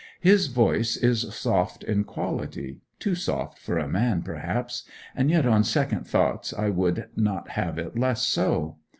His voice is soft in quality too soft for a man, perhaps; and yet on second thoughts I would not have it less so.